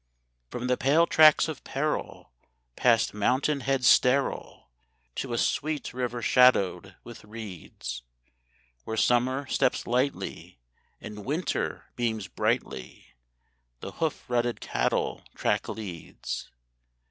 From the pale tracts of peril, past mountain heads sterile, To a sweet river shadowed with reeds, Where Summer steps lightly, and Winter beams brightly, The hoof rutted cattle track leads.